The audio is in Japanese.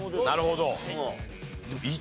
なるほど。